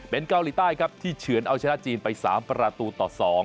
เป็นเกาหลีใต้ครับที่เฉือนเอาชนะจีนไป๓ประตูต่อ๒